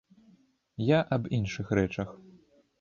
Я аб іншых рэчах.